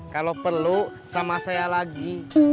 kalau perlu sama saya lagi